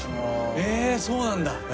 えっそうなんだ。